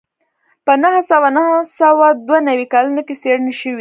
په نهه سوه نهه سوه دوه نوي کلونو کې څېړنې شوې